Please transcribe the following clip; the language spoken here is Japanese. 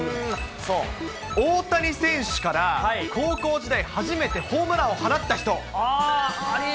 大谷選手から高校時代、初めてホームランを放った人。